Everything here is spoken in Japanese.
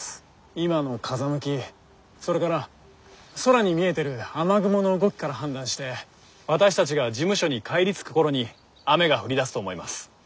今の風向きそれから空に見えてる雨雲の動きから判断して私たちが事務所に帰り着く頃に雨が降りだすと思います。